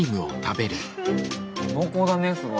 濃厚だねすごい。